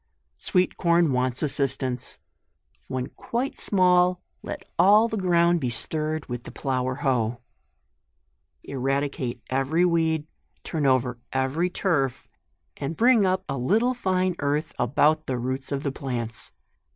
SWEET CORN Wants assistance. When quite small, let all the ground be stirred with the plough or hoe* Eradicate every weed ; turn over every turf, and bring up a little fine earth about the roots of the plants.